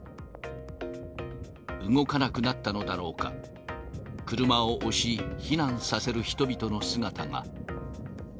動かなくなったのだろうか、車を押し、避難させる人々の姿が。